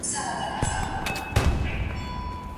استمتاع د خاوند او ميرمني تر منځ مشترک حق دی.